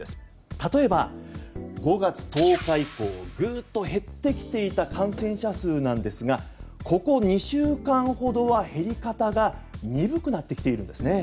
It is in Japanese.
例えば５月１０日以降グッと減ってきていた感染者数なんですがここ２週間ほどは減り方が鈍くなってきているんですね。